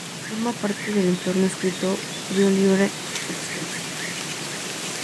Forma parte del entorno de escritorio libre Xfce.